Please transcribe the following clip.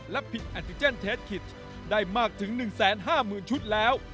และผิดแอนติเจนเทสคิตได้มากถึง๑๕๐๐๐ชุดแล้ว